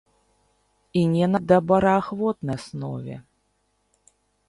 І не на добраахвотнай аснове.